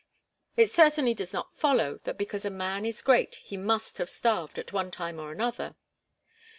It certainly does not follow that because a man is great he must have starved at one time or another.